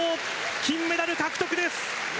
金メダル獲得です！